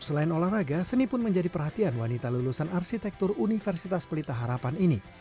selain olahraga seni pun menjadi perhatian wanita lulusan arsitektur universitas pelita harapan ini